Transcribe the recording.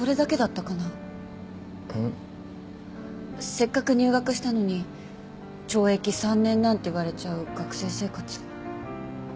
せっかく入学したのに懲役３年なんて言われちゃう学生生活違うでしょ。